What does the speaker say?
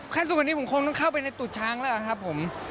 ทุกวันนี้ผมคงต้องเข้าไปในตูดช้างแล้วครับผม